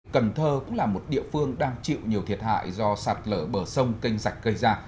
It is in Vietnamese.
cần thơ cũng là một địa phương đang chịu nhiều thiệt hại do sạt lở bờ sông kênh sạch cây ra